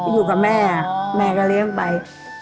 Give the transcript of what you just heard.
อยู่ด้วยแม่แม่ก็เลี่ยงไป